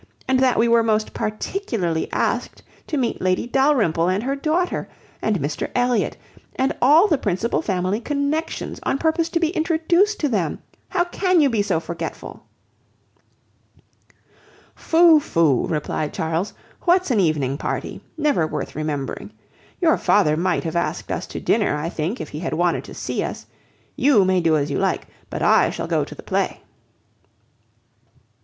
and that we were most particularly asked to meet Lady Dalrymple and her daughter, and Mr Elliot, and all the principal family connexions, on purpose to be introduced to them? How can you be so forgetful?" "Phoo! phoo!" replied Charles, "what's an evening party? Never worth remembering. Your father might have asked us to dinner, I think, if he had wanted to see us. You may do as you like, but I shall go to the play."